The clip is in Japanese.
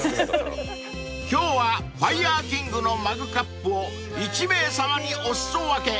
［今日はファイヤーキングのマグカップを１名さまにお裾分け］